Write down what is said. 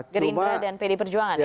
gerindra dan pd perjuangan